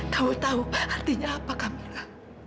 kamu tahu artinya apa kamila